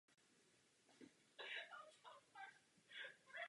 Snad pochází původně z označení běžecké dráhy ohraničené pruty.